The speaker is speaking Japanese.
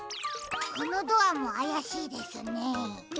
このドアもあやしいですね。